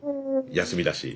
休みだし。